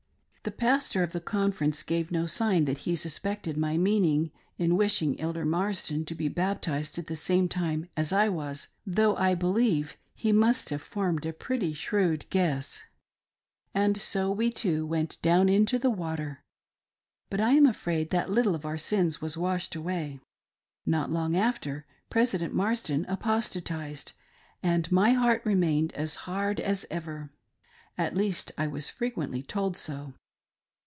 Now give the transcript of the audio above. The Pastor of the Conference gave no sign that he suspected my meaning in wishing Elder Marsden to be baptized at the same time as I was, though I believe he must have formed a pretty shrewd guess. And so we two went down into the water, but I am afraid that little of our sins was washed away. Not 'long after. President Marsden apos tatised, and my heart remained as hard as ever. At least I was frequently told so.